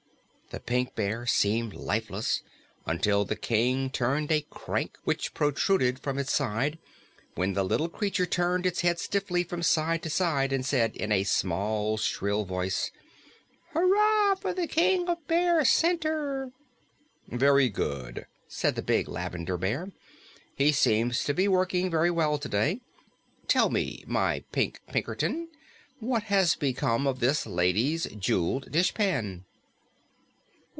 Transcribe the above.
This Pink Bear seemed lifeless until the King turned a crank which protruded from its side, when the little creature turned its head stiffly from side to side and said in a small, shrill voice, "Hurrah for the King of Bear Center!" "Very good," said the big Lavender Bear. "He seems to be working very well today. Tell me, my Pink Pinkerton, what has become of this lady's jeweled dishpan?"